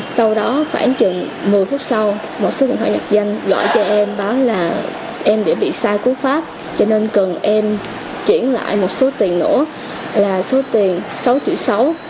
sau đó khoảng chừng một mươi phút sau một số điện thoại nhập danh gọi cho em báo là em đã bị sai cú pháp cho nên cần em chuyển lại một số tiền nữa là số tiền sáu triệu sáu